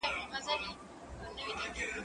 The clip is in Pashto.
زه کولای سم ليکنې وکړم.